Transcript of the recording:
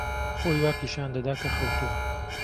خۆی وا پیشان دەدا کە خەوتووە.